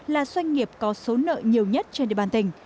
là doanh nghiệp có số nợ nhiều nhất trên địa bàn tỉnh